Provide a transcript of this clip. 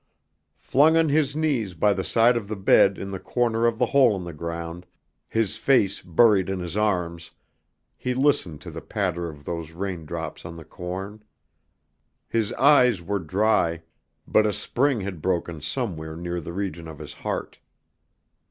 Flung on his knees by the side of the bed in the corner of the hole in the ground, his face buried in his arms, he listened to the patter of those raindrops on the corn. His eyes were dry; but a spring had broken somewhere near the region of his heart.